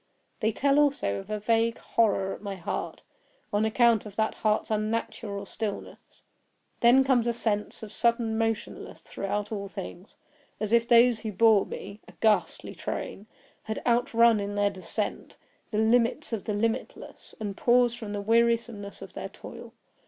They tell also of a vague horror at my heart, on account of that heart's unnatural stillness. Then comes a sense of sudden motionlessness throughout all things; as if those who bore me (a ghastly train!) had outrun, in their descent, the limits of the limitless, and paused from the wearisomeness of their toil.